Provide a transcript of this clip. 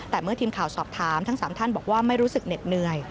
แต่เมื่อทีมข่าวสอบถามทั้ง๓ท่านบอกว่าไม่รู้สึกเหน็ดเหนื่อย